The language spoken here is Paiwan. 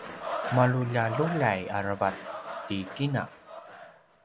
maluljaluljay aravac ti kina